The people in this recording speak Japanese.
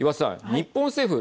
日本政府